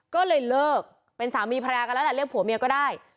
ก็เลยเลิกเป็นสามีภรรยากันแล้วแหละเรียกผัวเมียก็ได้